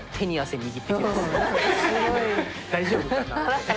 大丈夫かな？